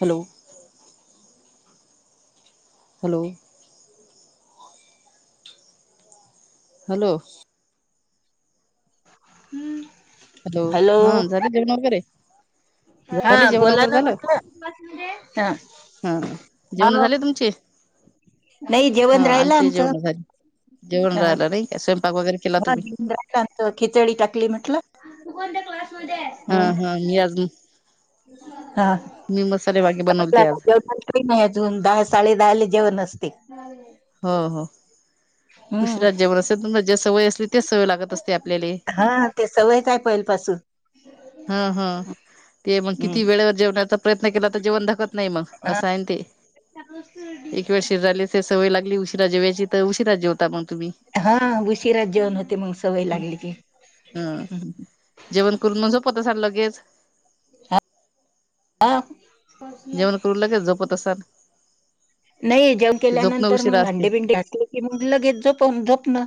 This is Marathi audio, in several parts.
हॅलो. हॅलो. हालो. हूं! हॅलो हा झाले जेवन वगैरे. हा झाले जेवण बोला वगैरे ना झालं म्हटलं हं! हा जेवण झाले तुमचे नाही ह जेवण राहिलं आमचे आमचं. जेवण झाले जेवण राहिलं नाही का स्वयंपाक वगैरे केला तुम्ही [unintelligible] खिचडी टाकली म्हटलं तु कोणत्या क्लास हा हा मी आज हा मी मसाले वागे आता बसले बनवते आता आज जेवणाले टाइम हे आजुन दहा, साडे दहा ले जेवण नसते हो हो उशीरा जेवणं असते तुमच्या ज्या सवय अस हा ते सवयच हाय पहिलंपासून हं हं ते म किती वेळे हम्म व जेवणाचा प्रयत्न केला त जेवणं धकत नाही म हा असं आहे न ते. एक वेळ शरीराला ते सवय लागली उशिरा जेवायची त उशिरा जेवता मग तुम्ही. हा उशीराच जेवण होते मग सवय लागली की. हा हम्म. जेवण करून म झोपत असाल लगेच हा जेवण करून लागेल झोपत असाल नही जेवण की झोपणं केल्यानंतर उशिरा मग असते. भांडी बिंडी घासले की मग लगेच झोपूण झोपण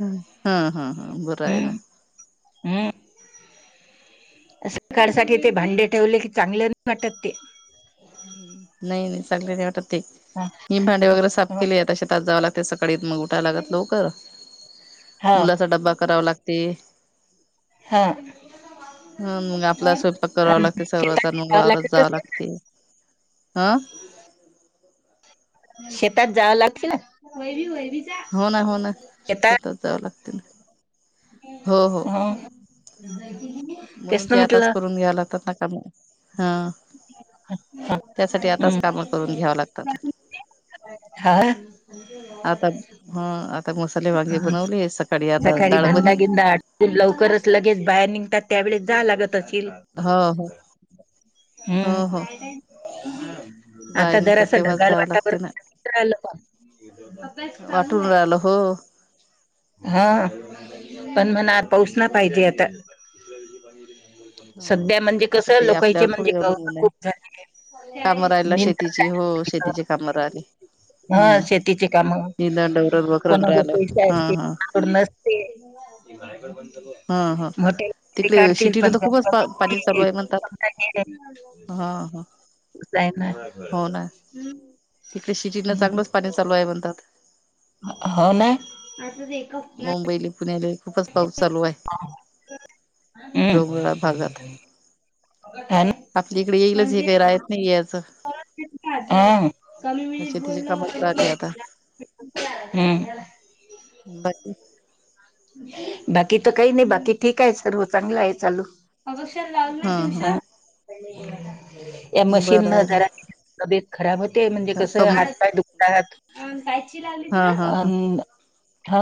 ह हा हा हा बरय आहे ना. सकाडं साठी ते भांडे ठेवले, की चांगले नाही वाटतं ते. नाही, नाही चांगले नाही वाटतं. ते हा, मी भांडे वगैरे साफ हा. केले, आता शेतात जावं लागतेय सकाळी, मग उठाव लागत लवकर. हो मुलाचा डब्बा करावा लागते. हा! ह मग आपला स्वयंपाक करावा अं, लागते सर्वचां शेतात मग जावं वावरत लागत जावा असते ना लागते. अ! शेतात जावं लागती ना हो ना, हो ना, शेतात जावं लागते ना हो हो. ह [unintelligible] तेच म्हणून ना ते आताच म्हटलं करून घ्या लागतात ना काम हं! हं, त्यासाठी आताच हं, कामं करून घ्याव लागतात. हा आता हं आता मसाले वांगे हं. बनवले सक सकाळी [inaudible] धंदा गिंदा आटपून लगेच बाहेर निघतात त्यावेळेस जावं लागत असेल हो हो [inaudible] [inaudible] हो हो हम्म आता बायांचा जरास तेव्हाच ढगाल जावं लागते ना वातावरन ल [inaudible] वाटून राहिलं हो हा [inaudible] पण म्हणा पाऊस ना पाहिजे आता हो सध्या म्हणजे आता कस ते लोकचे आपल्यावर म्हणजे थोडी [unintelligible] ग अवलंबून आहे खूप झाले कामं राहिला नि शेतीची हो शेतीची काम राहिली हा हम्म शेतीची काम [inaudible] निंदण डवरण वखरण कोणावर राहिलं पैसे हा असतील हा थड [unintelligible] नसते हा हा मोठे [inaudible] तिकडे काढतील शिटीला पण तर [inaudible] खूपच पा पाणी चालू आहे म्हणतात हा हा! जाय ना हो ना तिकडे [inaudible] शिटीन चांगलंच पाणी चालू आहे म्हणतात हो ना [inaudible] असंच एक मुंबईले पुण्याले खूपच पाऊस चालू आहे हम् डोंगराळ भागात [inaudible] ह ना आपल्या इकडे [inaudible] येईलच हे म्हणजे काही राहत नाही याचं कमी मिनिट शेतीचे बोलण कामच राहिले आता [inaudible] ब [inaudible] बाकी [inaudible] तर काही नाही बाकी ठीक आहे सर्व चांगला आहे चालू हा हा या [unintelligible] मशीन बरं न आहे ना जरा तबेत खराब ते म्हणजे कस कम हात पाय दुखतात [inaudible] हा हा हा हा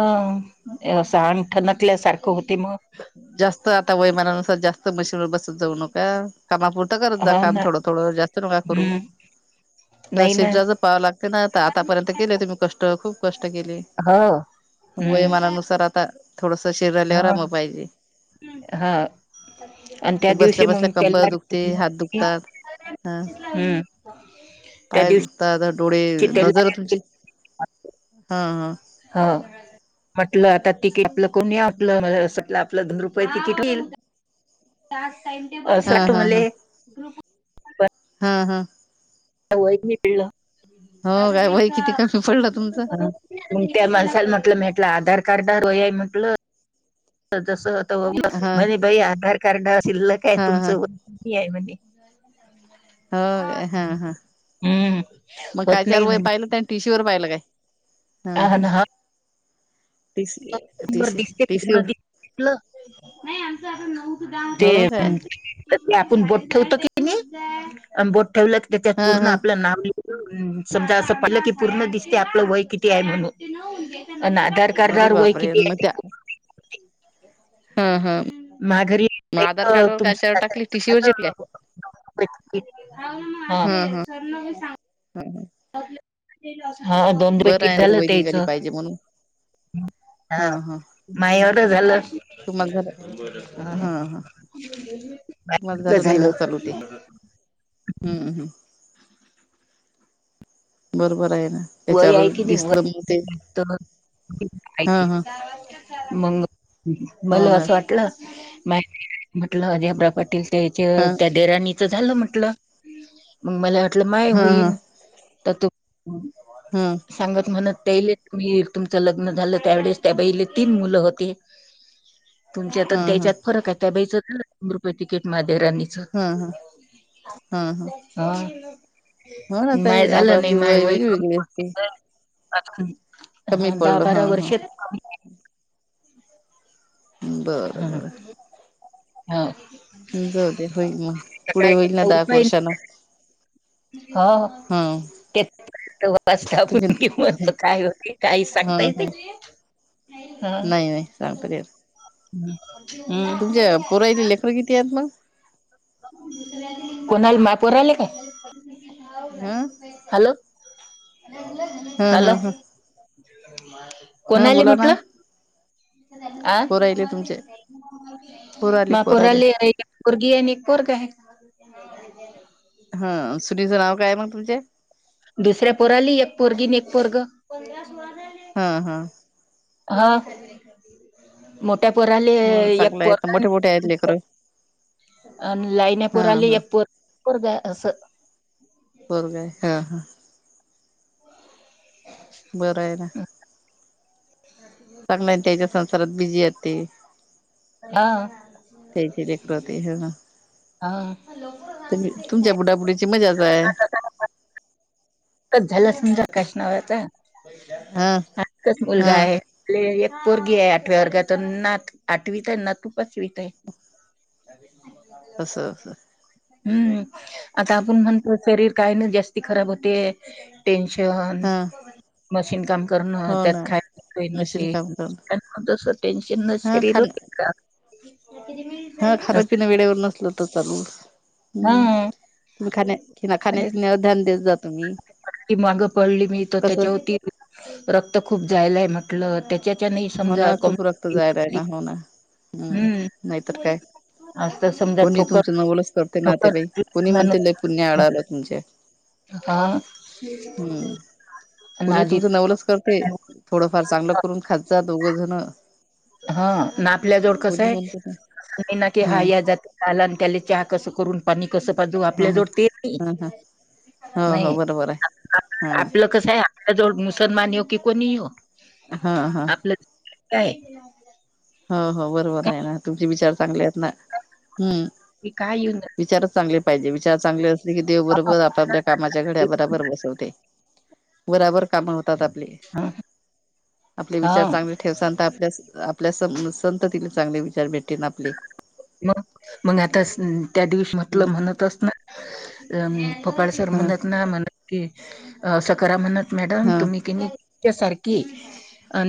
[inaudible] असं अंग ठणकल्यासारखं होते मग वैयमानानुसार जास्त बसत जाऊ नका कामापुरत करत जा हो काम ना थोडं थोडं जास्त नका करू हम्म नाही ना श्रीजाच पाहावं लागते ना तर आतापर्यंत गले होते खूप कष्ट केले हो [inaudible] हम्म वयमानानुसार आता थोडस शरीरालावर हा आराम पाहिजे. हा. आणि ते त्या बसल्या दिवशी बसल्या मग कंबर त्याला दुखते हात [inaudible] दुखतात ह हम्म त्या पाय दिवशी दुखतात आता डोळे त्याला नजर तुमची [inaudible] हा हा हा म्हटलं [inaudible] आता तिक आपलं कोणी आपलं असट [inaudible] आप [unintelligible] दोन रुपये तिकीट हा होईलठ हा हा हा [unintelligible] हा- हा- एक मी वळलं हो काय वय किती कमी पडलं तुमचं [unintelligible] [inaudible] त्या माणसाला म्हटलं आधार कार्ड म्हटलं [inaudible] जस हा [inaudible] म्हणे बाई आधार कार्ड शिल्लक आहे हा हा तुमचं वय किती आहे म्हणे? हो हा हा हम्म मग होत कायच्यार नाही वय म्हणे पाहिलं त्या टिश्यूवरर पाहिलं काय [inaudible] हा -हा टीसी [unintelligible] र टीसी दिसते प टीसी न दि [unintelligible] [inaudible] नाही आमच आ नऊधा [unintelligible] हो ते काय आपण बोट ठेवतो की नाही बोट ठेवलं की त्याच्यात हा पूर्ण हा आपलं नाव समजा असं पलं की पूर्ण दिसते आपलं वय किती आहे म्हणून अरे खरोखर वय बापरे किती मग ते? त्या ह मा घरी मग आधार तुम कार्ड वर काशावर च्या टाकली टीशी वर चिटल्या [unintelligible] मग अस सरन हा हा सांग [unintelligible] ह हा दोन दा बरं किट आहे झालं वय होते हीच निघाली पाहिजे म्हणून [unintelligible] हा माय एवढ झालं तुम्हाला झालं हा हा तुम्हाला झालं नाही झाल मग चालू ते हम्म हम्म... बरोबर आहे ना त्याच्यावर दिसलं मी ते ह तर हा हा मंग हो मला ना असं वाटलं मा म्हटलं जब्र पाटील त्याचे हा त्या देराणी झालं म्हटलं मग मला वाटलं माय हा हा होईल तर त हा सांगत म्हणत त्या मी तुमचं लग्न झालं त्यावेळेस त्या बाईले तीन मुलं होते तुमच्या हा तर हा हा त्याच्यात फरक आहे त्या बाईच तर रुपये तिकीट म देरानीच हा हा हो ना आता माय हल्ली झालं नाही आपपली माय वय वेगळी वेगळी असते कमी कमी हा दहा पडलं बारा हा हा वर्ष बर हा बर हा जाऊ दे होईल मग पुढे होईल ना दहा एक वर्षान हा.... ते तव्हा वाचतो तुम्ही आपण कि मरतो काय होत काही हा सांगता येते हा हा.... नाही नाही सांगता नाही येत हम्म तुमच्या पुरा जिल्ह्यात बी आहेत ना कोणाल मापू राहिले काय ह.... हॅलो हॅलो हा हा कोणा आली. बोला ना म्हंटलं आ पोरायले तुमचे मा पोराले एक पोरगी कोर का आहे हं सुनेच् नाव काय मग तुम च्या दुसऱ्या पोराली एक पोरगी अन एक पोरग हा हा.... हा मोठ्या पोराले हो एक चांगलं आहे मोठे मोठे आहेत लेकर पोरगी अन् लिहिने हा पोराले हा एक ऐक पोरग अस- हो काय हा हा... [unintelligible] बरये ना चांगलं आहे त्याच्या संसारात बिझी ये ते. हा त्यांची लेकरं ते ह ह... हा... बाकी मजात हाय झालं सुंदर काश नावता हा हच मुलगा हा आहे पोरगी आहे आठव्या वर्गात अन् नात आठवीच आहे नातू पाचवीत आहे असं... हम्म आता आपण म्हणतो शरीर काही नाही जास्ती खराब होते टेन्शन हा मशीन काम करण हो त्यात ना खायला प्यायला मशीन नाशि काम करण तस टेन्शन न हा शरीर हो खाण का हा खाना पिना वेळेवर नसलं तर चालेल हम्म हा तुम्ही खाण्या खाण्यापिण्यावर ध्यान देत जा तुम्ही ती मागं पडली मी तर कसं त्याच्यावरती रक्त खूप जायलाय म्हटलं त्या होणार खूप रक्त जायला आहे ना होणार हम्म हम्म नाहीतर काय आज तर समजा कोणी ठोकर तुमचं नवलच करते ना ते बाई ठोकर कोणी म्हणते लय पुण्य अडायल तुमचं. हा. आणि कोणी आजी तुमचं नवलच करते थोडंफार चांगलं करून खात जा दोघजन. हा ना आपल्या जवड कस आहे. म्हणते ना की हा या जातलान केले चहा कसं करून पाणी कस पाजू हा आपल्या हा जवड ते हा हा हो हो नाही बरोबर आहे हा आपलं कस आहे. जवळ मुसलमान ये की कोणी ये हा हा आपलं काय हो हो बरोबर आहे ना तुमचे विचार चांगले आहेत ना हम्म. काय काय येऊन विचारच चांगले पाहिजे विचार चांगले असले की देव बरोबर आपापल्या कामाच्या घड्या बराबर बसवते. [inaudible] बराबर काम होतात आपली हा आपले हा विचार चांगले ठेवचान तर आपल्या आपल्या संततीला चांगले विचार भेटे ना आपले. मग मग आता त्या दिवशी म्हटलं म्हणत अस ना अ फोकाळसर हा म्हणत ना म्हणत की सकरा म्हणत मॅडम हा तुम्ही कि नाही च्या सारखी अ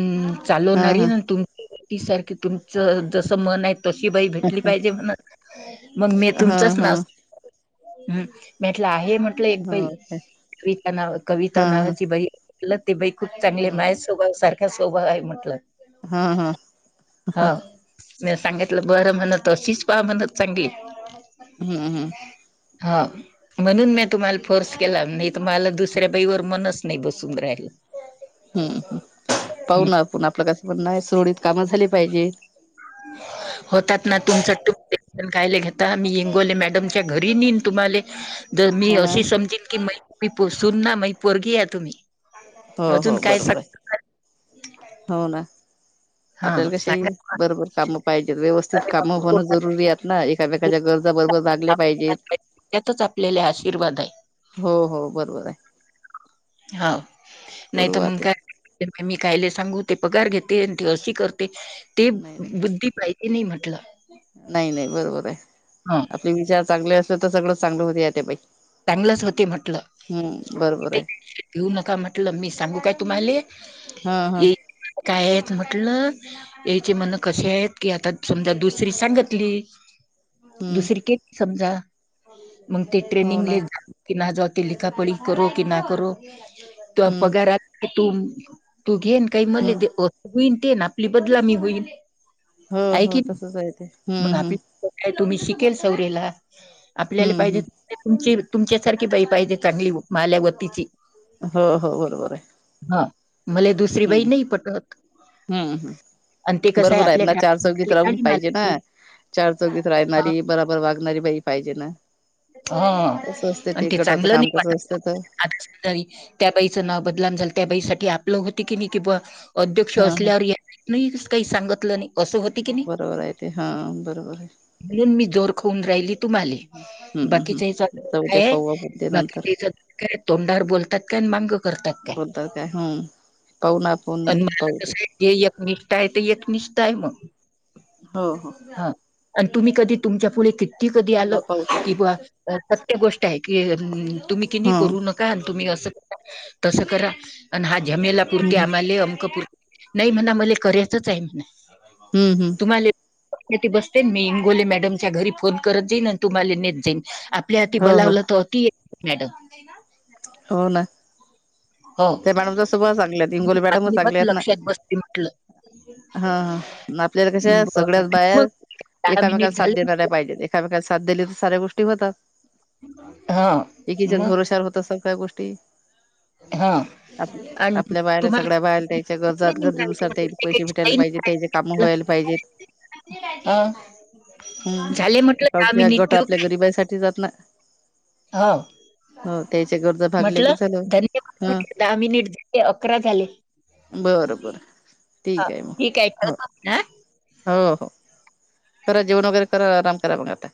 हा चालवणारी हा तुम ती सारखे तुमचं जसं मन आहे तशी बाई भेट ण मग मी हा तुमचच हा ना आहे म्हटलं एक हो हा पज कविता नाव कविता हा नावाची बाई ते बाई खूप चांगले हा माय स्भाव सारख सोभाग आहे म्हटलं. हाम्म हम्म. म सांगितलं बरं म्हणत तशिच पा म्हणत. चांगली हम्म हम्म. हा म्हणून मी तुम्हाला फोर्स केला नाही तर मला दुसऱ्या बाईवर मनच नाही बसून राहिल. हम्म् पाह ना आपण आपलं कसं पण नाही सुरळीत कामं झाली पाहिजे. होतात ना तुमच कायला घेता मी इगोवले मॅडमच्या घरी निन तुम्हाले. जर मी हो ना अशी समजिन की म तुही सुन ना म पोरघी या तुम्ही. हो अजून हो काय बरोबर आहे [unintelligible] हो ना. हा आपल्याला कशी सांगा बरोबर कामं पाहिजेत व्यवस्थित काम होणं जरुरी आहेत ना एकामेच्या गरजा बरोबर लागल्या पाहिजेत. त्यातच आपल्याल्या हो हो बरोबर आहे. हो नाही करू तर आ मग ते काय. मी कायले सांगू ते पगार घेते आणि ते अशी करते ते नाही नाही बुद्धी पाहिजे नाही म्ह नाही नाही बरोबर आहे ह आपले विचार चांगले असल तर सगळं चांगलं होते आत्या बाई. चांगलंच होते म्हटलं. हम्म बरोबर ते आहे. घेऊ नका म्हटलं मी सांगू काय तुम्हाला हा हा ये काय म्हटलं याचे हा मन कसी आहेत की आता समजा दुसरी सांगितली. हम्म दुसरी के समजा मग ते हो ट्रेनिंग ना की ते लिखापळी करो की ना करो ते हम्म पगार तू तू घेन. काही म्हले हम्म दे होईल ते ना आपली बदलामी होईल. हो आहे हो की तसच आहे ते, हम्म मग आपली हम्म. काय तुम्ही शिकेल सौरेला आपल्याला हम्म पाहिजे हम्म च तुमच्या सारखी बाई पाहिजे चांगली माल्यावतीची. हो हो बरोबर आहे. मले दुसरी हम्म बाई नाही पटत. हम्म आणि ते हम्म कसं आहे बरोबर आहेत आपल्या ना चार चौगीत राहून गाडी पाहिजे ना. मालकी चार चौघीत राहणारी बराबर वागणारी बाई पाहिजे ना. हा कसं असतं आणि ते गटाचं चांगलं काम नाही वाट कसं असतं तर त्या बाईचं नाव बदलाम झालं. त्या बाईसाठी आपलं होती की नाही किंवा अध्यक्ष हा हा असल्यावर याही काही सांगितलं नाही. असं होते की बरोबर आहे ते हा बरोबर. म्हून मी जोर खाऊन राहिली तुम्हाली हम्म बाकीचा हेचा हम् जाऊ द्या काये आहे पाहू आपण ते नंतर बाकीचा हचा काय तोंडावर बोलतात काय मांग - बद्दार काय हम. पण मला कस आहे जे एकनिष्ठा आहे ते एकनिष्ठा आहे मग. हो हो हा. आणि तुम्ही कधी तुमच्या पुढे किती कधी हो आलं. ना पाहू ते प्रत्येक गोष्ट आहे की, तुम्ही कि नाही हम्म करू नका आणि तुम्ही असं तस करा आणि हा जमेला पुुरते हम्म आम्हाले अंकपर नाही म्हणा मला करायचच आहे म्हणा. हम्म हम्म ती बसते मी इंगोले मॅडमच्या घरी फोन करत जाईन आणि तुम्हाला न आपल्या हाती हो हो बलावलं तर मॅडम. हो ना. हो ते बॅडमचा स्वभाव चांगलेत हिंगोली मॅडम बातमी चांगले बत आहेत ना. लक्षात बसते म्हटलं. हा हा आपल्याला कश बरं सगळ्याच मग बाहेर. दहा मिनिट एकामेकांला साथ देणाऱ्या झाले. पाहिजेत एकामेकांना साथ दिली तर साऱ्या गोष्टी होतात. हा एकीच्या मग भरोषावर होत अस काय गोष्टी. हा आणि आपल्या बाहेला तुम्हाला सगळ्या बाहेला त्याच्या गरजात गरजेनुसार त्या पैसे भेटायला पाहिजे त्याचे कामं व्हायला पाहिजेत. हं, झाले हम्म म्हटलं दहा का मिनिट गट ठेवू आपल्या काय गरीबाांसाठी जात ना हो हो तेच म्हटलं धन्यवाद म्ह दहा मिनिट झाले अकरा झाले. बरं बरं ह ठीक आहे मग ठीक हो आहे ह. हो हो करा जेवण वगैरे करा आराम करा मग आता.